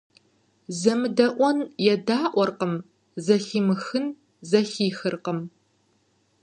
ЗэмыдэIуэн едаIуэркъым, зэхимыхын зэхихыркъым.